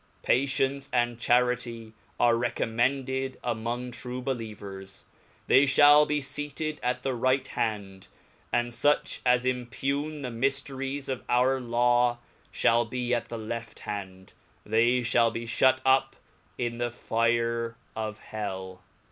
P atience and charity arc recommended among trne be liever5, they iTiall be Teaced at the right hand ; and fuch as impugn the Myfterles of our Law, (hail be at the left hand, thcy (hall be (hut up in the fire of hell.